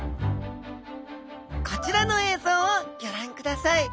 こちらの映像をギョ覧ください。